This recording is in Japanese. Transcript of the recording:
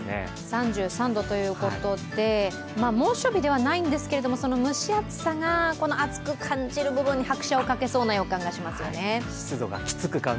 ３３度ということで、猛暑日ではないんですが、その蒸し暑さが熱く感じる部分に拍車をかけそうな予感がありますね。